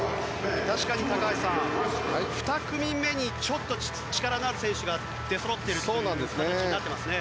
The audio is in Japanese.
確かに高橋さん、２組目にちょっと力のある選手が出そろっている形になっていますね。